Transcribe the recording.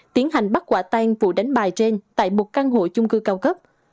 tiến hành bắt quả tan vụ đánh bài trên tại một căn hộ chung cư cao cấp